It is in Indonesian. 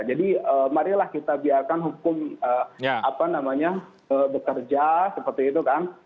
jadi marilah kita biarkan hukum bekerja seperti itu kan